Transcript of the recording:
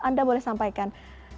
anda boleh sampaikan